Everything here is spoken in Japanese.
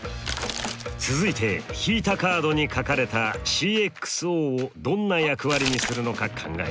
続いて引いたカードに書かれたＣｘＯをどんな役割にするのか考えます。